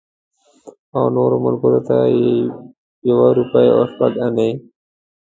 او نورو ملګرو ته یې یوه روپۍ او شپږ انې.